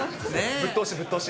ぶっ通し、ぶっ通し。